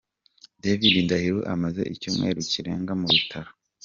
David Ndahiro amaze icyumweru kirenga mu bitaro.